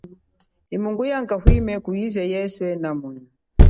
Himunguya nguka hwime kuize yeswe namona.